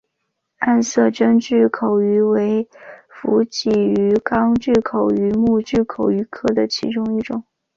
暗色真巨口鱼为辐鳍鱼纲巨口鱼目巨口鱼科的其中一种。